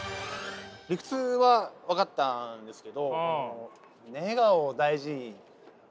理屈は分かったんですけど。